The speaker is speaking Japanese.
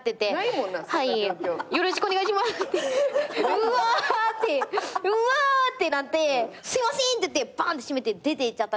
うわってうわってなって「すいません！」って言ってバン！って閉めて出ていっちゃった。